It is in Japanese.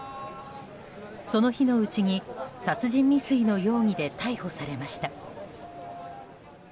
その日のうちに殺人未遂の容疑で逮捕されました。